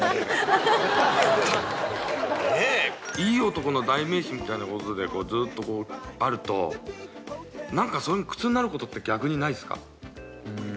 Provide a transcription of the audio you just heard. いい男の代名詞みたいなことでずっとあると何か苦痛になることって逆にないですか？